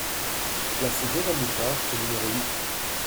Place Jovin Bouchard au numéro huit